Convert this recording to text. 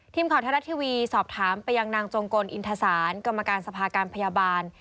ทีมข่าวไทยรัฐทีวีสอบถามไปยังนางจงกลอินทศาลกรรมการสภาการพยาบาล